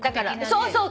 そうそう。